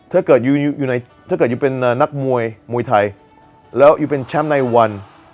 ถ้าเกิดเป็นนักมวยมวยไทยแล้วเป็นแชมป์ในวัน